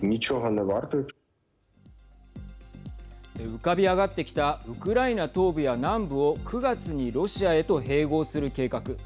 浮かび上がってきたウクライナ東部や南部を９月にロシアへと併合する計画。